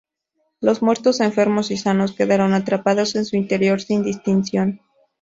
Los muertos, enfermos y sanos quedaron atrapados en su interior sin distinción.